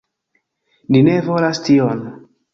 Ni ne volas tion!"